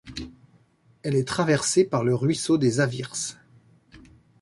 Elle est traversée par le ruisseau des Awirs.